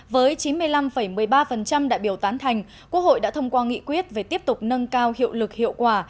với chín mươi năm một mươi ba đại biểu tán thành quốc hội đã thông qua nghị quyết về tiếp tục nâng cao hiệu lực hiệu quả